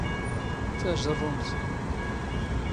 ⵜⴰⵊⵔⵔⵓⵎⵜ